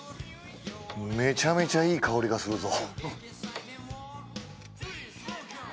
めちゃめちゃいい香りがするぞ。